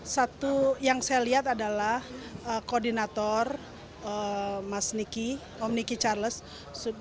satu yang saya lihat adalah koordinator mas niki charles dengan tim langsung melakukan evaluasi dan mengetahui bahwa ada beberapa